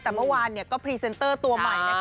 แต่เมื่อวานก็พรีเซนเตอร์ตัวใหม่นะคะ